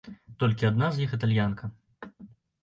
Толькі адна з іх італьянка.